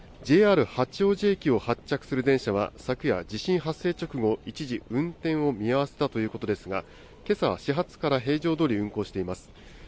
ＪＲ八王子駅を発着する電車は昨夜、地震発生直後一時、運転を見合わせたということですがけさは始発から平常どおり運行しています。